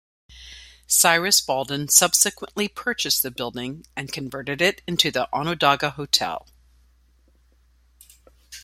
Cyrus Baldwin subsequently purchased the building and converted it into the "Onondaga Hotel".